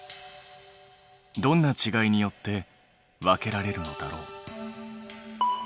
どんなちがいによって分けられるのだろう？